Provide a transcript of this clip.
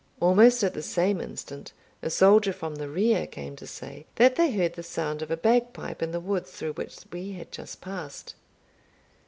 Almost at the same instant a soldier from the rear came to say, that they heard the sound of a bagpipe in the woods through which we had just passed.